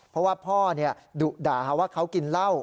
เพราะว่าพ่อดุด่าว่าเขากินเหล้า